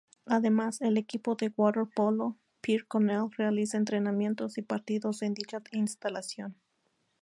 Además, el equipo de waterpolo Picornell realiza entrenamientos y partidos en dicha instalación.